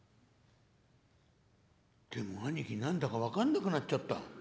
「でも兄貴何だか分かんなくなっちゃった」。